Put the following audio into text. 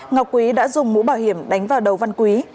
ngọc quý đã dùng mũ bảo hiểm đánh vào đầu văn quý